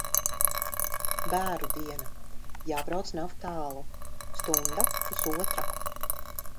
Bēru diena. Jābrauc nav tālu. Stunda, pusotra.